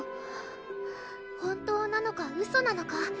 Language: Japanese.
本当なのかウソなのか